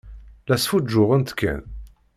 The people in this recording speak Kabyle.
La sfuǧǧuɣent kan.